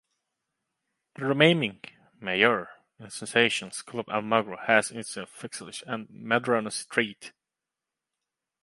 The remaining major institution, Club Almagro has its facilities on Medrano street.